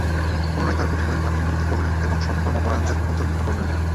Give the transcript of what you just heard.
পুনরায় তার প্রতিপালক তাকে মনোনীত করলেন এবং তাকে সৎকর্মপরায়ণদের অন্তর্ভুক্ত করলেন।